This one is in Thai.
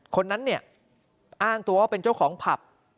คนนั้นเนี่ยอ้างตัวว่าเป็นเจ้าของผับ